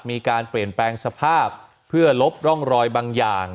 มีการเปลี่ยนแปลงสภาพเพื่อลบร่องรอยบางอย่าง